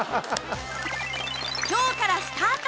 今日からスタート！